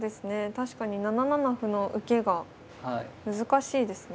確かに７七歩の受けが難しいですね